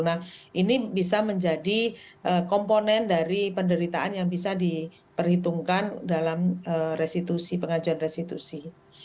nah ini bisa menjadi komponen dari penderitaan yang bisa diperhitungkan dalam restitusi pengajuan restitusi